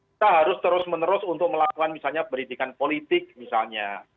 kita harus terus menerus untuk melakukan misalnya pendidikan politik misalnya